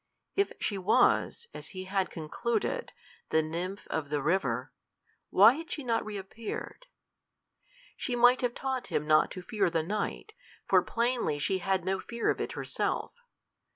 If she was, as he had concluded, the nymph of the river, why had she not re appeared? She might have taught him not to fear the night, for plainly she had no fear of it herself!